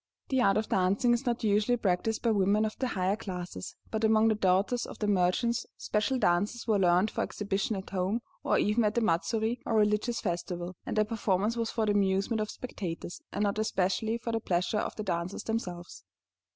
The art of dancing is not usually practiced by women of the higher classes, but among the daughters of the merchants special dances were learned for exhibition at home, or even at the matsuri or religious festival, and their performance was for the amusement of spectators, and not especially for the pleasure of the dancers themselves.